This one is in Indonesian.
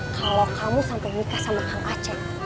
kalau kamu sampai nikah sama kak ngaceng